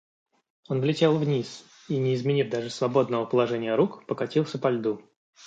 Он влетел вниз и, не изменив даже свободного положения рук, покатился по льду.